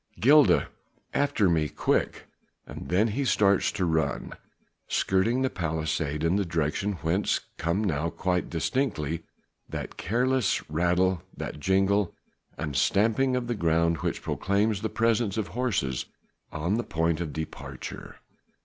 Gilda! After me! quick!" And then he starts to run, skirting the palisade in the direction whence come now quite distinctly that ceaseless rattle, that jingle and stamping of the ground which proclaims the presence of horses on the point of departure.